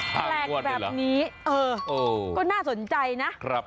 ห้างวดเหรอแปลกแบบนี้เออก็น่าสนใจนะ